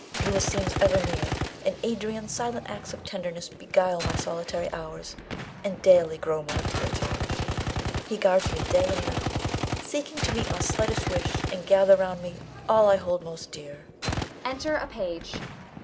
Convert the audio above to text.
Louis seems ever near, and Adrian's silent acts of tenderness beguile my solitary hours, and daily grow more dear to me. He guards me day and night, seeking to meet my slightest wish, and gather round me all I hold most dear. [Enter a Page.